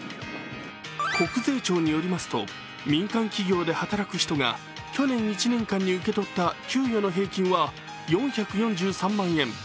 国税庁によりますと民間企業で働く人が去年１年間に受け取った給与の平均は４４３万円。